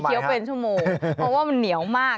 เคี้ยวเป็นชั่วโมงเพราะว่ามันเหนียวมากนะคะ